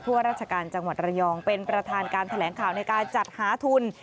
ว่าราชการจังหวัดระยองเป็นประธานการแถลงข่าวในการจัดหาทุน